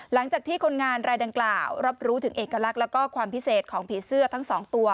หลังจากที่คนงานรายดังกล่าวรับรู้ถึงเอกลักษณ์แล้วก็ความพิเศษของผีเสื้อทั้งสองตัว